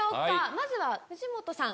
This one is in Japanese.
まずは藤本さん。